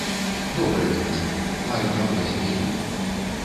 Добрая дзяўчына, маю на ўвазе яе.